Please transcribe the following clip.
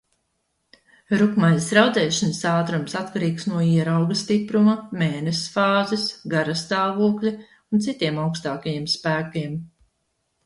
Rupjmaizes raudzēšanas ātrums atkarīgs no ierauga stipruma, mēness fāzes, garastāvokļa un citiem augstākajiem spēkiem.